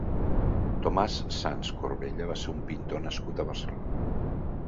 Tomàs Sans Corbella va ser un pintor nascut a Barcelona.